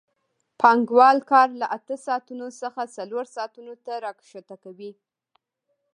پانګوال کار له اته ساعتونو څخه څلور ساعتونو ته راښکته کوي